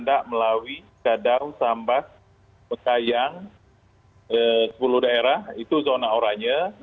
sepuluh daerah itu zona oranye